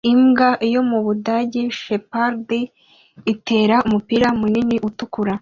imbwa yo mu Budage Sheppard itera umupira munini utukura